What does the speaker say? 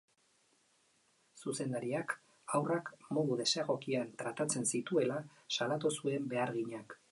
Zuzendariak haurrak modu desegokian tratatzen zituela salatu zuen beharginak.